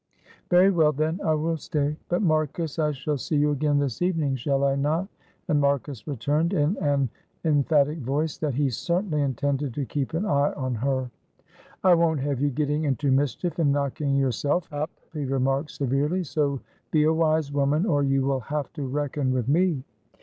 '" "Very well, then, I will stay; but, Marcus, I shall see you again this evening, shall I not?" and Marcus returned in an emphatic voice that he certainly intended to keep an eye on her. "I won't have you getting into mischief and knocking yourself up," he remarked, severely. "So be a wise woman, or you will have to reckon with me!"